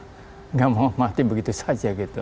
tidak mau mati begitu saja gitu